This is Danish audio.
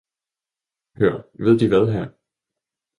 Hør, ved de hvad hr.